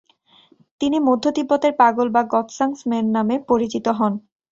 তিনি মধ্য তিব্বতের পাগল বা গ্ত্সাং-স্ম্যোন নামে পরিচিত হন।